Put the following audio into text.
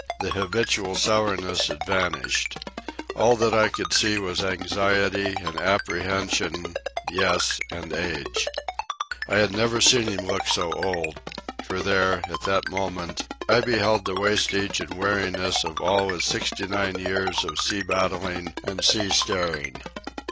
The habitual sourness had vanished. All that I could see was anxiety and apprehension ... yes, and age. I had never seen him look so old; for there, at that moment, I beheld the wastage and weariness of all his sixty nine years of sea battling and sea staring.